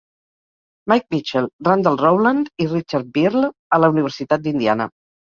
Mike Mitchell, Randall Rowland, i Richard Bihrle a la Universitat d'Indiana.